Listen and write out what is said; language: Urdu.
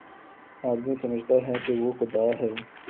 آدمی سمجھتا ہے کہ وہ خدا ہے